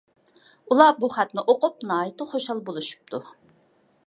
ئۇلار بۇ خەتنى ئوقۇپ ناھايىتى خۇشال بولۇشۇپتۇ.